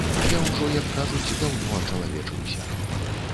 Я ўжо, як кажуць, даўно ачалавечыўся.